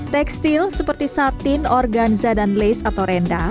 tekstil seperti satin organza dan lace atau renda